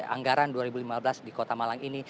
anggaran dua ribu lima belas di kota malang ini